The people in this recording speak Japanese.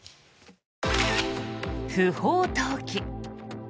不法投棄。